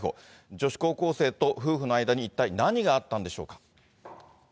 女子高校生と夫婦の間に一体何があったんでしょうか。